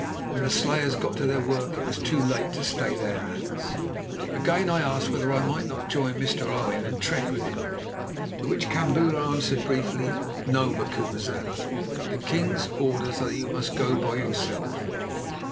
When the slayers got to their work it was too late to stay their hands." Again I asked whether I might not join Mr. Owen and trek with him, to which Kambula answered briefly: "No, Macumazahn; the king's orders are that you must go by yourself."